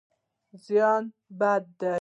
زیان بد دی.